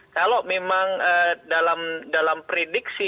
kalau memang dalam prediksi